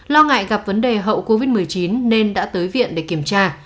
lo ngại gặp vấn đề hậu covid một mươi chín nên đã tới viện để kiểm tra